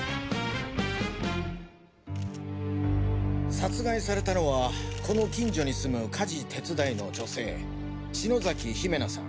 殺害されたのはこの近所に住む家事手伝いの女性篠崎姫奈さん